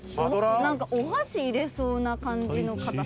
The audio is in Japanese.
「お箸入れそうな感じの硬さ」